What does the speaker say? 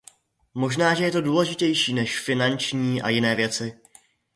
Možná, že je to důležitější než finanční a jiné věci.